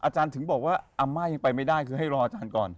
ถึงบอกว่าอาม่ายังไปไม่ได้คือให้รออาจารย์ก่อน